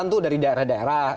tentu dari daerah daerah